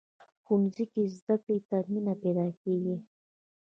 ښوونځی کې زده کړې ته مینه پیدا کېږي